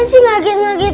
kaget ya dot